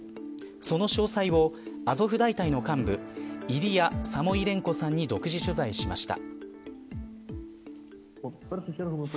その詳細をアゾフ大隊の幹部イリア・サモイレンコさんに独自取材しました。